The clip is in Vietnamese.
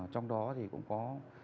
trong đó thì cũng có